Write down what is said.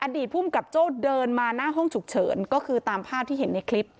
อดีตภูมิกับโจ้เดินมาหน้าห้องฉุกเฉินก็คือตามภาพที่เห็นในคลิป